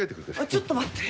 ちょっと待って。